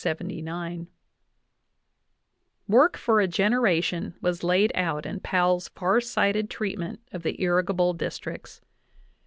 J"""Work for a generation was laid out in jPp wall's far sighted treatment of the irrigable districts.